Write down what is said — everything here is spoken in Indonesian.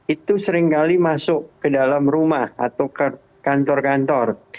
itu seringkali masuk ke dalam rumah atau ke kantor kantor